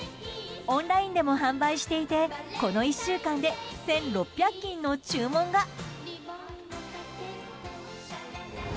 オンラインでも販売していてこの１週間で１６００斤の注文が。